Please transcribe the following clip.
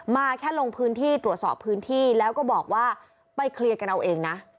แค่ลงพื้นที่ตรวจสอบพื้นที่แล้วก็บอกว่าไปเคลียร์กันเอาเองนะ